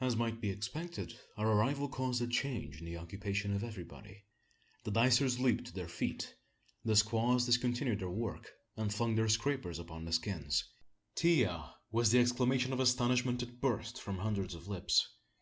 As might be expected, our arrival caused a change in the occupation of everybody. The dicers leaped to their feet the squaws discontinued their work, and flung their scrapers upon the skins. "Ti ya!" was the exclamation of astonishment that burst from hundreds of lips.